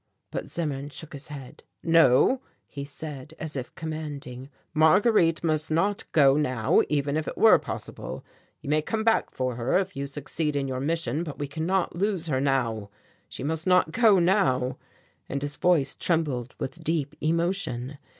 But Zimmern shook his head. "No," he said, as if commanding. "Marguerite must not go now even if it were possible. You may come back for her if you succeed in your mission, but we cannot lose her now; she must not go now, " and his voice trembled with deep emotion.